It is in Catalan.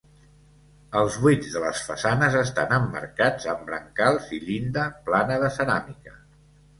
Els buits de les façanes estan emmarcats amb brancals i llinda plana de ceràmica.